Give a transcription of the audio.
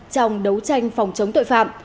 trong đấu tranh phòng chống tội phạm